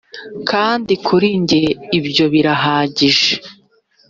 kandi kuri njye ibyo birahagije.